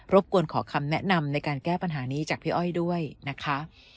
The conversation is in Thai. บกวนขอคำแนะนำในการแก้ปัญหานี้จากพี่อ้อยด้วยนะคะ